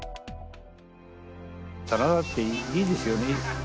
棚田っていいですよね。